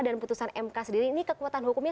dan putusan mk sendiri ini kekuatan hukumnya